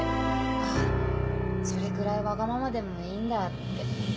あぁそれくらいわがままでもいいんだって。